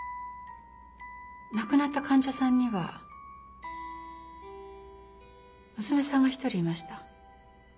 亡くなった患者さんには娘さんが１人いました。